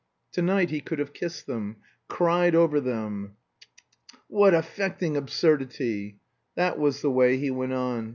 To night he could have kissed them, cried over them. "T t t tt! What affecting absurdity!" That was the way he went on.